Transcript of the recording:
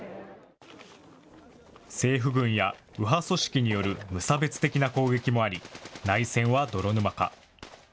政府軍や右派組織による無差別的な攻撃もあり、内戦は泥沼化。